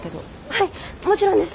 はいもちろんです！